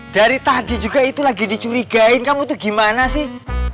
dari tadi juga itu lagi dicurigain kamu tuh gimana sih